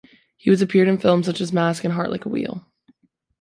He has appeared in films such as "Mask" and "Heart Like a Wheel".